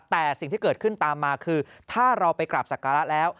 แต่สิ่งที่เกิดขึ้นตามมาคือถ้าเราไปกราบศักระแล้ว